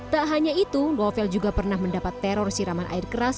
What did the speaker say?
tak hanya itu novel juga pernah mendapat teror siraman air keras